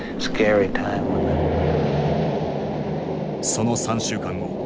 その３週間後。